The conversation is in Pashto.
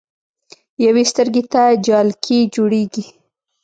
يوې سترګې ته جالکي جوړيږي